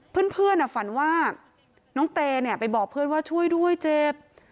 เพื่อนฝันว่าน้องเตไปบอกเพื่อนว่าช่วยด้วยเจ็บ